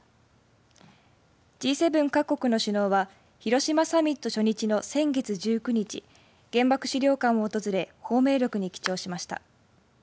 Ｇ７各国の首脳は広島サミット初日の先月１９日原爆資料館を訪れ芳名録に記帳しました。